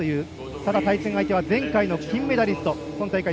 ただ、対戦相手は前回の金メダリスト。